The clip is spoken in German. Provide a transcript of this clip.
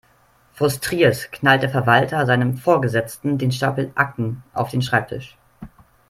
Frustriert knallt der Verwalter seinem Vorgesetzten den Stapel Akten auf den Schreibtisch.